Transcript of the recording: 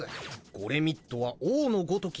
ゴレミッドは王のごとき